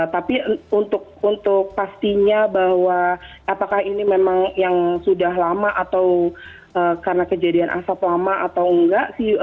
tapi untuk pastinya bahwa apakah ini memang yang sudah lama atau karena kejadian asap lama atau enggak sih